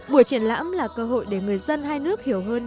buổi triển lãm là cơ hội để người dân hai nước hiểu hơn